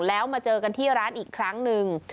แล้วมาเจอกันที่ร้านอีกครั้งหนึ่ง